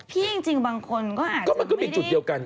พี่จริงบางคนก็อาจจะไม่ได้ก็มันก็มีจุดเดียวกัน